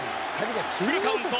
フルカウント。